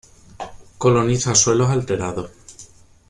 Coloniza suelos alterados.